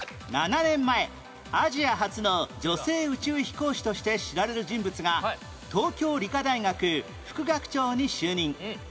７年前アジア初の女性宇宙飛行士として知られる人物が東京理科大学副学長に就任